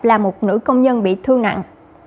là một nữ công nhân bị thương nặng